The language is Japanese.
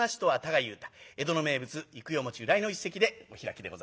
江戸の名物幾代由来の一席でお開きでございます。